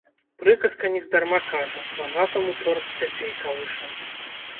Прыказка нездарма кажа, багатаму чорт дзяцей калыша.